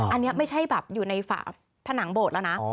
อันนี้ไม่ใช่แบบอยู่ในฝาผนังโบสถ์แล้วนะ